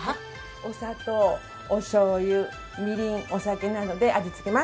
お砂糖、おしょうゆ、みりん、お酒などで味つけします。